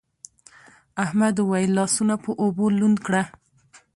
احمد وويل: لاسونه په اوبو لوند کړه.